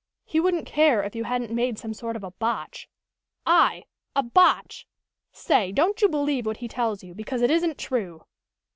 "He wouldn't care if you hadn't made some sort of a botch " "I? A botch? Say, don't you believe what he tells you, because it isn't true!"